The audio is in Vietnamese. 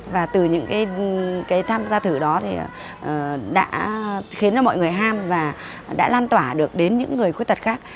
và từ những cái tham gia thử đó thì đã khiến mọi người ham và đã lan tỏa được đến những người khuyết tật khác